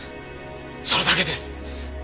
それだけです。